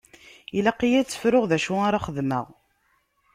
Ilaq-iyi ad tt-fruɣ acu ara xedmeɣ.